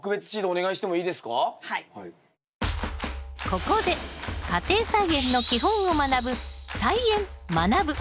ここで家庭菜園の基本を学ぶ「菜園×まなぶ」。